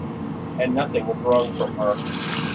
And nothing was wrung from her.